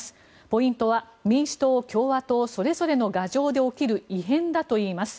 ポイントは民主党、共和党それぞれの牙城で起きる異変だといいます。